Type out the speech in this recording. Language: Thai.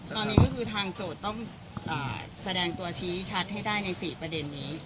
ตอนนี้ก็คือทางโจทย์ต้องแสดงตัวชี้ชัดให้ได้ใน๔ประเด็นนี้